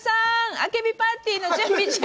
あけびパーティーの準備中。